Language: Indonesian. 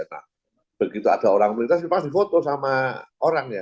nah begitu ada orang melintas pasti foto sama orang ya